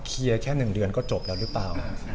เคลียร์แค่๑เดือนก็จบแล้วรึกเปล่า